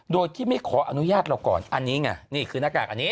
โดยที่ไม่ขออนุญาตเราก่อนอันนี้ไงนี่คือหน้ากากอันนี้